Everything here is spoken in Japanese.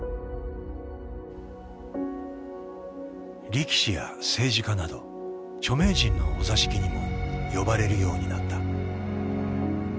力士や政治家など著名人のお座敷にも呼ばれるようになった。